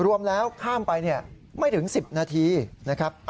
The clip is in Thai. รวมแล้วข้ามไปไม่ถึง๑๐นาทีนะครับ